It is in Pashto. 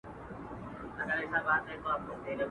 دا په غرونو کي لوی سوي دا په وینو روزل سوي.